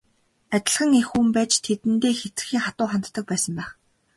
Адилхан эх хүн байж тэдэндээ хэтэрхий хатуу ханддаг байсан байх.